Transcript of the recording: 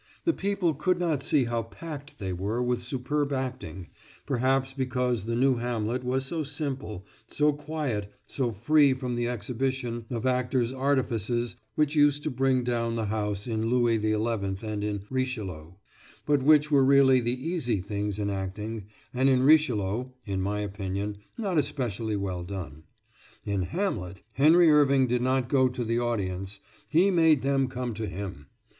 The people could not see how packed they were with superb acting perhaps because the new Hamlet was so simple, so quiet, so free from the exhibition of actors' artifices which used to bring down the house in "Louis XI" and in "Richelieu," but which were really the easy things in acting, and in "Richelieu" (in my opinion) not especially well done. In "Hamlet" Henry Irving did not go to the audience; he made them come to him.